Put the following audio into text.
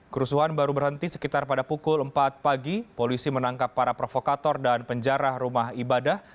kerusuhan baru berhenti sekitar pada pukul empat pagi polisi menangkap para provokator dan penjara rumah ibadah